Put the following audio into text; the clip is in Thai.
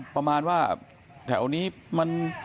ประมาณว่าแถวนี้มัน